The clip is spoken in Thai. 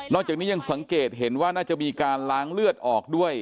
จากนี้ยังสังเกตเห็นว่าน่าจะมีการล้างเลือดออกด้วย